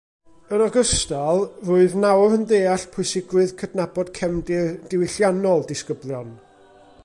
Yn ogystal, rwyf nawr yn deall pwysigrwydd cydnabod cefndir diwylliannol disgyblion